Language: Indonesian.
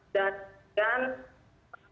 dan apa yang kita tahu